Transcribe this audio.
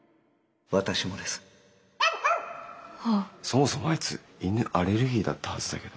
そもそもあいつ犬アレルギーだったはずだけど。